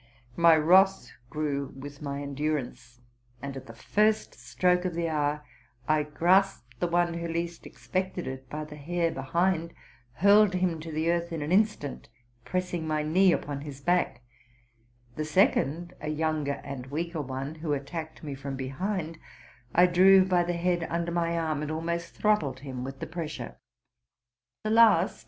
My wrath grew with my endurance; and, at the first stroke 'of the hour, I grasped the one who least expected it by the hair behind, hurled him to the earth in an instant, pressing my knee upon his back; the second, a younger and weaker one, who attacked me from behind, I drew by the head under my arm, and almost throttled him with the pressure. The last.